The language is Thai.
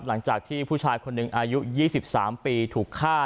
หลังจากที่ผู้ชายคนหนึ่งอายุ๒๓ปีถูกฆ่า